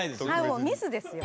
はいもうミスですよ。